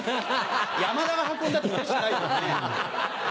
山田が運んだってうれしくないよね。